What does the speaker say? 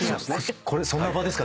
そんな場ですか？